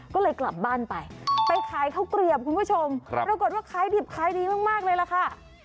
ก็เลยกลับบ้านไปไปขายข้าวเกลียบคุณผู้ชมปรากฏว่าขายดิบขายดีมากเลยล่ะค่ะ